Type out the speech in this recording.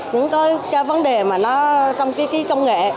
những cái vấn đề mà nó trong cái công nghệ